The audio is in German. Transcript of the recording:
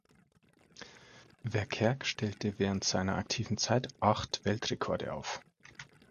Verkerk stellte während seiner aktiven Zeit acht Weltrekorde auf.